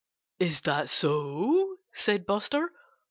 "Is that so?" said Buster.